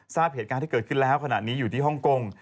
ทราบเหตุการณ์ที่เกิดขึ้นแล้วขณะนี้อยู่ที่ฮ่องกง